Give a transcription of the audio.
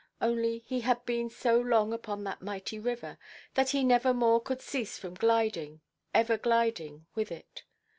Only he had been so long upon that mighty river, that he nevermore could cease from gliding, ever gliding, with it.